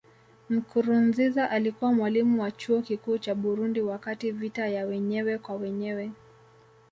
Nkurunziza alikuwa mwalimu wa Chuo Kikuu cha Burundi wakati vita ya wenyewe kwa wenyewe